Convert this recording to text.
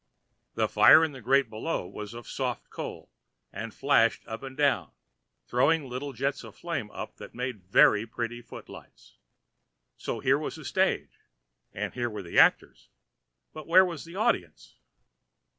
The fire in the grate below was of soft coal, and flashed up and down, throwing little jets of flame up that made very pretty foot lights. So here was a stage, and here were the actors, but where was the audience?